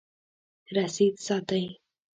رسید ساتئ